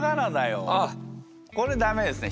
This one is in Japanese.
これ駄目ですね